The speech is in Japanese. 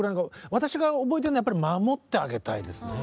私が覚えてるのはやっぱり「守ってあげたい」ですね。